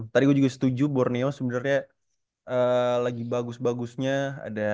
tadi gue juga setuju borneo sebenernya lagi bagus bagusnya